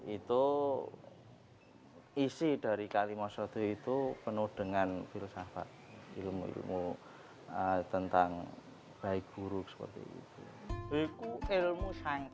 itu isi dari kalimosode itu penuh dengan filsafat ilmu ilmu tentang baik buruk seperti itu